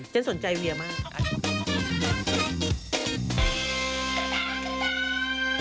เจ้นสนใจเวียมาก